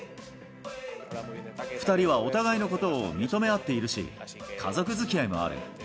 ２人はお互いのことを認め合っているし、家族づきあいもある。